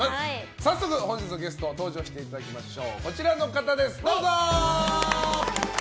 早速、本日のゲスト登場していただきましょう。